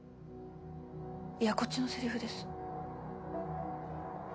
いやこっちのせりふです。